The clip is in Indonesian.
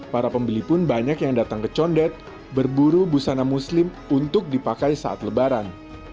para pembeli pun banyak yang datang ke condet berburu busana muslim untuk dipakai saat lebaran